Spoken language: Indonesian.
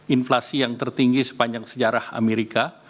inflasi yang tertinggi sepanjang sejarah amerika